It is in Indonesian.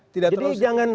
tidak terus diperlukan